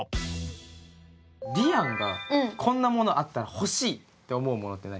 りあんが「こんなものあったら欲しい！」って思うものって何？